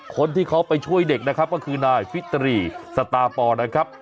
คนที่เขาไปช่วยเด็กนะครับก็คือนายฟิตรีสตาปอนะครับ